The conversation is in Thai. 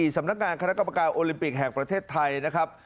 สำนักงานคณะกรรมการโอลิมปิกแห่งประเทศไทยนะครับ